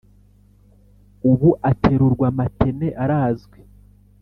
ubu aterurwa matene arazwi,